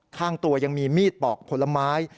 ข้างตัวยังมีมีดปอกผลไม้